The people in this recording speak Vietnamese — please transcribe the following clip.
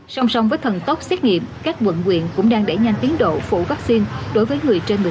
xong xong với thần tốc xét nghiệm các quận quyền cũng đang đẩy nhanh tiến độ phụ vaccine đối với người trên một mươi tám tuổi